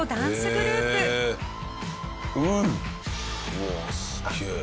うわすげえな。